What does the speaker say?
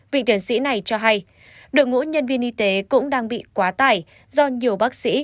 vị tiến sĩ này cho hay đội ngũ nhân viên y tế cũng đang bị quá tải do nhiều bác sĩ